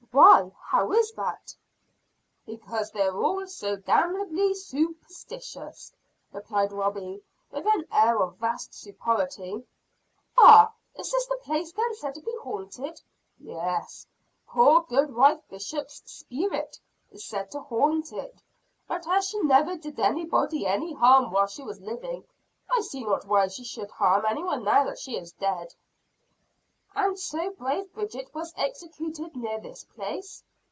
"Why, how is that?" "Because they are all so damnably sooperstitious!" replied Robie, with an air of vast superiority. "Ah! is this place then said to be haunted?" "Yes, poor Goodwife Bishop's speerit is said to haunt it. But as she never did anybody any harm while she was living, I see not why she should harm any one now that she is dead." "And so brave Bridget was executed near this place?